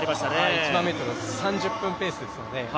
１００００ｍを３０分ペースですね。